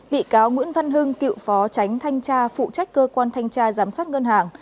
bị cáo nguyễn văn hưng cựu phó tránh thanh tra phụ trách cơ quan thanh tra giám sát ngân hàng